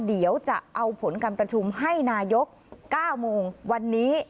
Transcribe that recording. เดี๋ยวจะเอาผลการประชุมให้นายก๙โมงวันนี้